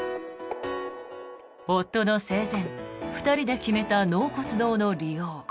夫の生前２人で決めた納骨堂の利用。